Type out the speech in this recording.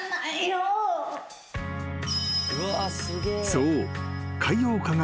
［そう］